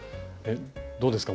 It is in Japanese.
どうですか？